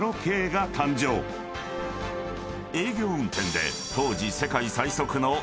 ［営業運転で］